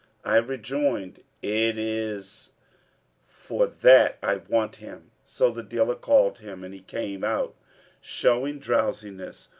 I rejoined, 'It is for that I want him.' So the dealer called him, and he came out, showing drowsiness.